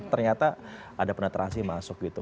ternyata ada penetrasi masuk gitu